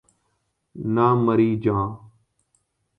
نہ مری جاں